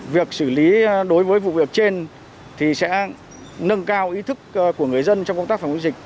việc xử lý đối với vụ việc trên thì sẽ nâng cao ý thức của người dân trong công tác phòng dịch